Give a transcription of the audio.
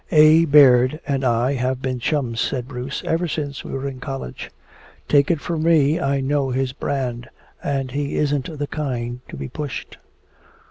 "A. Baird and I have been chums," said Bruce, "ever since we were in college. Take it from me I know his brand. And he isn't the kind to be pushed."